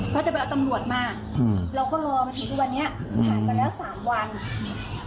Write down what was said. เขาจะไปเอาตำรวจมาเราก็รอมาถึงที่วันเนี้ยผ่านไปแล้วสามวัน